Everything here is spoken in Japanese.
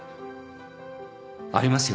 ありますよ。